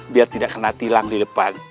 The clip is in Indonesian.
biar tidak kena tilang di depan